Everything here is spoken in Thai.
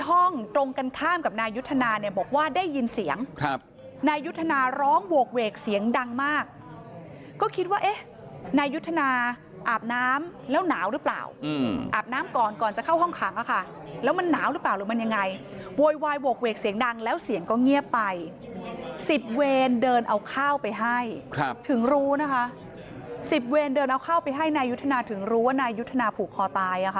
โหกเวกเสียงดังมากก็คิดว่านายุทธนาอาบน้ำแล้วหนาวหรือเปล่าอาบน้ำก่อนก่อนจะเข้าห้องขังค่ะแล้วมันหนาวหรือเปล่าหรือมันยังไงโวยวายโหกเวกเสียงดังแล้วเสียงก็เงียบไป๑๐เวนเดินเอาข้าวไปให้ถึงรู้นะคะ๑๐เวนเดินเอาข้าวไปให้นายุทธนาถึงรู้ว่านายุทธนาผูกคอตายค่ะ